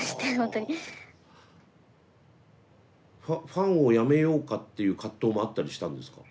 ファンをやめようかっていう葛藤もあったりしたんですか？